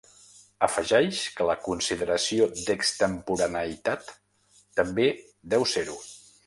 Afegeix que la consideració d’extemporaneïtat també deu ser-ho.